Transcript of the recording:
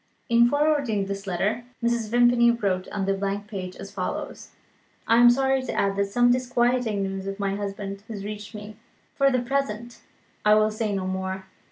In forwarding this letter, Mrs. Vimpany wrote on the blank page as follows: "I am sorry to add that some disquieting news of my husband has reached me. For the present, I will say no more.